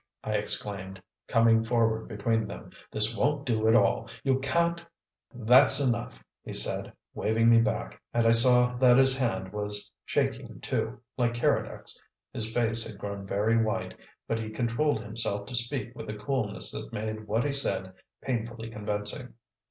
I exclaimed, coming forward between them. "This won't do at all. You can't " "That's enough," he said, waving me back, and I saw that his hand was shaking, too, like Keredec's. His face had grown very white; but he controlled himself to speak with a coolness that made what he said painfully convincing.